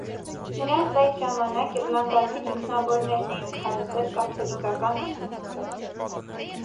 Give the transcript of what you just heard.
Նրանց այդ ժամանակ իռլանդացի ճգնավորներն էին քարոզել կաթոլիկական ուսմունքը։